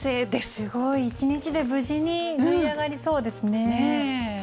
すごい１日で無事に縫い上がりそうですね。